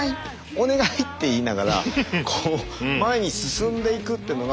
お願いって言いながら前に進んでいくってのが。